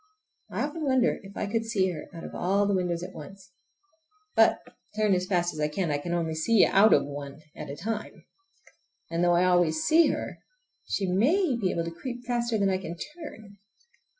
I often wonder if I could see her out of all the windows at once. But, turn as fast as I can, I can only see out of one at one time. And though I always see her she may be able to creep faster than I can turn!